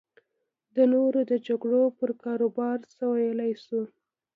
د نورو د جګړو پر کاروبار څه ویلی شو.